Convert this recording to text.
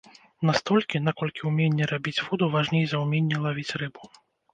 Настолькі, наколькі ўменне рабіць вуду важней за ўменне лавіць рыбу.